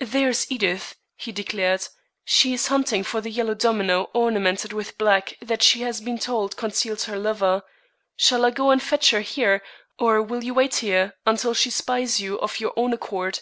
"There is Edith!" he declared. "She is hunting for the yellow domino ornamented with black that she has been told conceals her lover. Shall I go and fetch her here, or will you wait until she spies you of her own accord?"